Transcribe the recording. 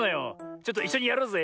ちょっといっしょにやろうぜ。